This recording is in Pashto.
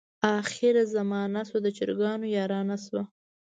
اخره زمانه شوه د چرګانو یارانه شوه.